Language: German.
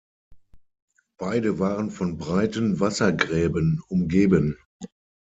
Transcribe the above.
Beide waren von breiten Wassergräben umgeben.